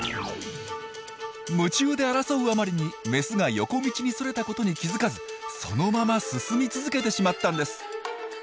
夢中で争うあまりにメスが横道にそれたことに気付かずそのまま進み続けてしまったんです。